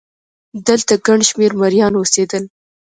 دلته ګڼ شمېر مریان اوسېدل.